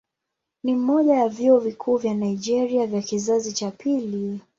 Ni mmoja ya vyuo vikuu vya Nigeria vya kizazi cha pili.